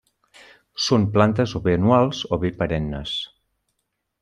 Són plantes o bé anuals o bé perennes.